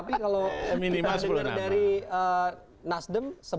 tapi kalau kita dari nasdem sebelas